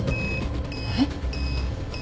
えっ？